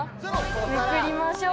めくりましょう！